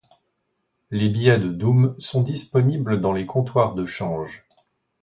Les billets de doumes sont disponibles dans les comptoirs de change.